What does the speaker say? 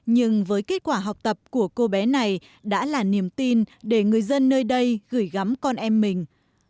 nhưng với kết quả học tập của cô bé này đã là niềm tin để người dân nơi đây gửi gắm con em mình